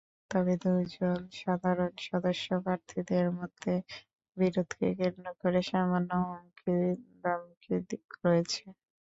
তবে দুজন সাধারণ সদস্য প্রার্থীর মধ্যে বিরোধকে কেন্দ্রে করে সামান্য হুমকি-ধমকি রয়েছে।